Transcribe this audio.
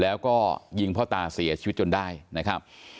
แล้วก็ยิงพ่อตาเสียชีวิตจนได้นะครับ